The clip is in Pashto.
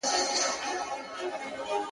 o ه ياره د څراغ د مــړه كولو پــه نـيت ـ